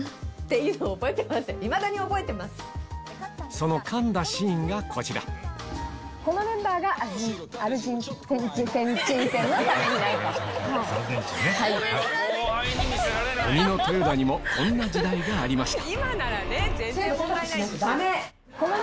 そのかんだシーンがこちらこんな時代がありました